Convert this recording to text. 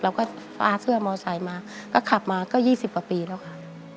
เราก็ฟ้าเสื้อมอเตอร์ไซค์มาก็ขับมาก็๒๐ปีแล้วค่ะ